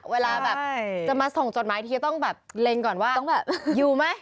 เวลาจะมาส่งจดหมายต้องเล่นก่อนแล้วว่าอยู่ไหม